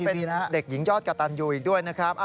เป็นเด็กหญิงยอดกะตันยูอีกด้วยนะครับ